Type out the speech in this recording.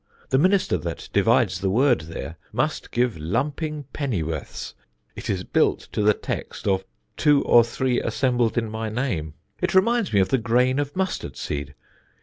The minister that divides the word there, must give lumping pennyworths. It is built to the text of two or three assembled in my name. It reminds me of the grain of mustard seed.